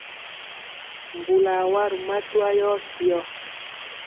Mbulɔ a wa ri matwa yɔ syɔ.